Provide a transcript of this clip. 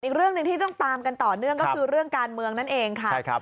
อีกเรื่องหนึ่งที่ต้องตามกันต่อเนื่องก็คือเรื่องการเมืองนั่นเองค่ะ